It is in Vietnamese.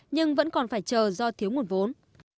nhưng vẫn còn phải chờ do thiếu nguồn vốn